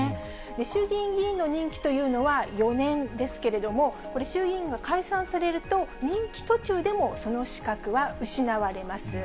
衆議院議員の任期というのは、４年ですけれども、これ、衆議院が解散されると、任期途中でもその資格は失われます。